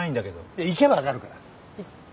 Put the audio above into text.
いや行けば分かるから。ね？